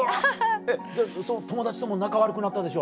じゃあその友達とも仲悪くなったでしょ。